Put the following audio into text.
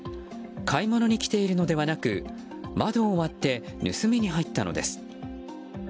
買い物に来ているのではなく窓を割って盗みに入ったのです。